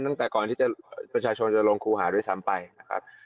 ตั้งแต่ก่อนที่ประชาชนจะลงครูหาด้วยซ้ำไปนะครับ